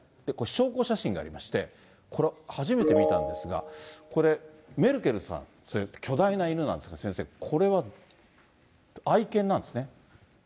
証拠写真がありまして、これ、初めて見たんですが、これ、メルケルさん、巨大な犬なんですね、先生、これは愛犬なんですね。